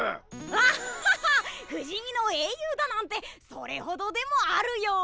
アッハハ不死身の英雄だなんてそれほどでもあるよ。